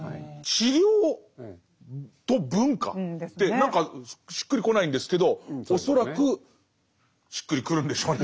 何かしっくりこないんですけど恐らくしっくりくるんでしょうね